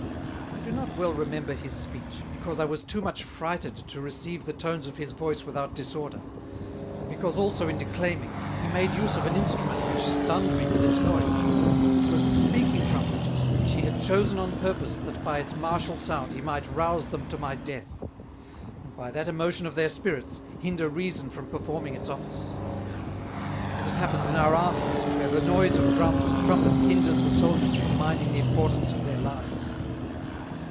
I do not well remember his Speech; because I was too much frighted to receive the tones of his Voice without disorder; and because also in declaiming, he made use of an Instrument which stunn'd me with its noise: It was a Speaking Trumpet, which he had chosen on purpose that by its Martial Sound he might rouse them to my death; and by that Emotion of their Spirits, hinder Reason from performing its Office: As it happens in our Armies, where the noise of Drums and Trumpets hinders the Souldiers from minding the importance of their Lives.